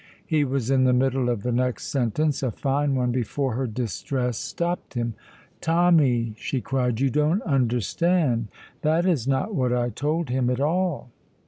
He was in the middle of the next sentence (a fine one) before her distress stopped him. "Tommy," she cried, "you don't understand. That is not what I told him at all!"